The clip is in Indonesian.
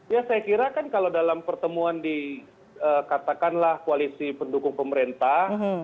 ya saya kira kan kalau dalam pertemuan di katakanlah koalisi pendukung pemerintah